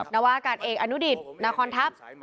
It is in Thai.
นวาอากาศเอกอนุดิตนครทัพ